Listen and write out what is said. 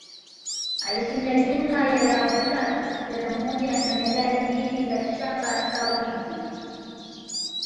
Alishinda jumla ya dhahabu tatu, fedha moja, na medali mbili za shaba za Olimpiki.